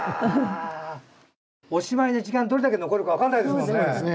おしまいの時間どれだけ残るか分からないですからね。